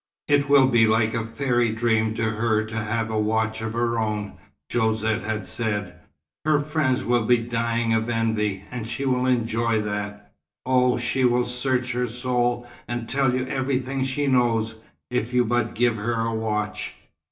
"It will be like a fairy dream to her to have a watch of her own," Josette had said. "Her friends will be dying of envy, and she will enjoy that. Oh, she will search her soul and tell you everything she knows, if you but give her a watch!"